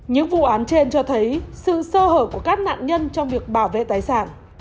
những vụ án trên cho thấy sự sơ hở của các nạn nhân trong việc bảo vệ tài sản